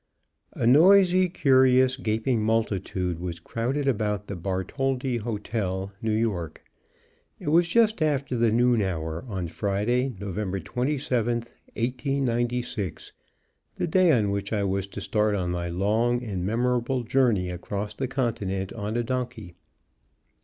_ A noisy, curious, gaping multitude was crowded about the Bartholdi Hotel, New York. It was just after the noon hour on Friday, November 27, 1896, the day on which I was to start on my long and memorable journey across the continent on a donkey.